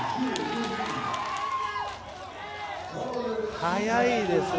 速いですね。